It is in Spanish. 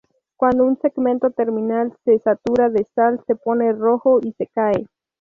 Cuando un segmento terminal se satura de sal se pone rojo, y se cae.